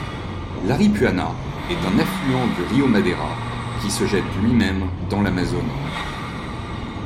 L'Aripuanã est un affluent du rio Madeira, qui se jette lui-même dans l'Amazone.